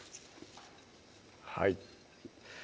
はい